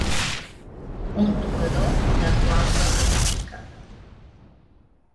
Un tocador de flauta rústica.